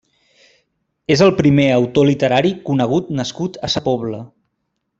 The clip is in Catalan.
És el primer autor literari conegut nascut a sa Pobla.